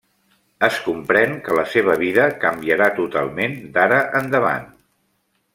Es comprèn que la seva vida canviarà totalment d'ara endavant.